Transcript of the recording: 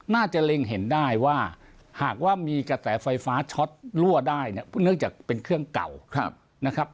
เล็งเห็นได้ว่าหากว่ามีกระแสไฟฟ้าช็อตรั่วได้เนี่ยเนื่องจากเป็นเครื่องเก่านะครับ